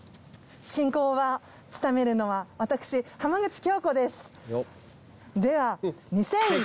進行は務めるのは私浜口京子です。